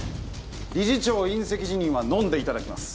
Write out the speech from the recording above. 理事長引責辞任はのんでいただきます